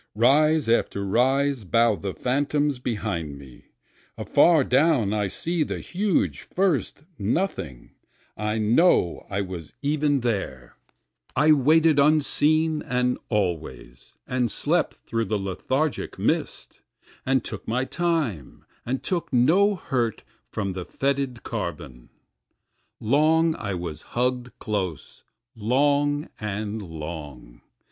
Rise after rise bow the phantoms behind me, Afar down I see the huge first Nothing, I know I was even there, I waited unseen and always, and slept through the lethargic mist, And took my time, and took no hurt from the fetid carbon. Long I was hugg'd close long and long.